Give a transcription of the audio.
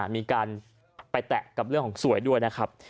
มีการไปแตะกับเรื่องของสวยด้วยนะครับ